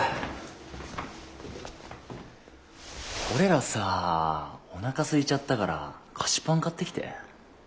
俺らさおなかすいちゃったから菓子パン買ってきて。